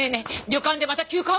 旅館でまた急患？